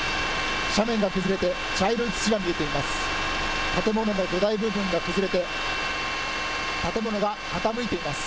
斜面が崩れて、茶色い土が見えています。